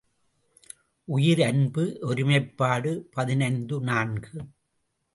உயிர் அன்பு ஒருமைப்பாடு பதினைந்து நான்கு.